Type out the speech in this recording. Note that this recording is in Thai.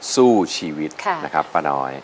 สู้ชีวิตนะครับป้าน้อย